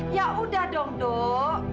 ya udah dong dok